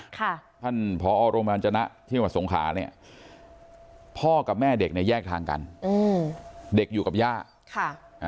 ท่านพรบรรจนะที่สงขาพ่อกับแม่เด็กแยกทางกันเด็กอยู่กับย่า